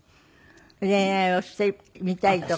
恋愛をしてみたいとか。